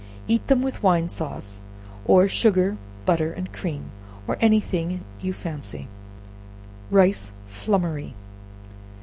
Eat them with wine sauce, or sugar, butter and cream, or any thing you fancy. Rice Flummery.